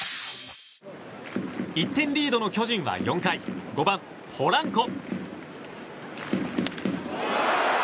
１点リードの巨人は４回５番、ポランコ。